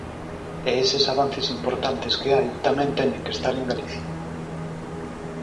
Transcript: E eses avances importantes que hai tamén teñen que estar en Galicia.